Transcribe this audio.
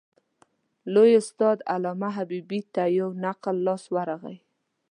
لوی استاد علامه حبیبي ته یو نقل لاس ورغلی.